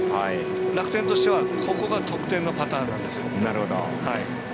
楽天としてはここが得点のパターンなんですよ。